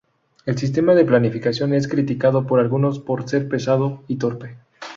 El sistema de planificación es criticado por algunos por ser pesado y torpe.